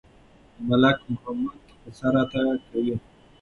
ملک محمد قصه راته کوي.